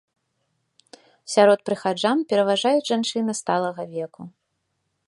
Сярод прыхаджан пераважаюць жанчыны сталага веку.